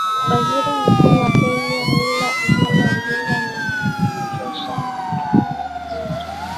waziri mkuu wa kenya raila amollo odinga amemushushia tohma nzito